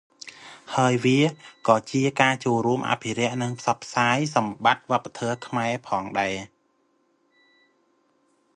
ហើយវាក៏ជាការចូលរួមអភិរក្សនិងផ្សព្វផ្សាយសម្បត្តិវប្បធម៌ខ្មែរផងដែរ។